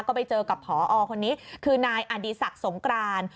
ก็ไปเจอกับผอคนนี้คือนายอดีศักดิ์สงกราน